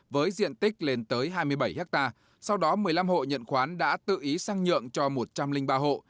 với diện tích lên tới hai mươi bảy ha sau đó một mươi năm hộ nhận khoán đã tự ý sang nhượng cho một trăm linh ba hộ